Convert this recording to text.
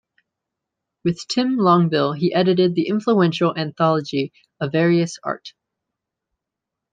With Tim Longville he edited the influential anthology "A Various Art".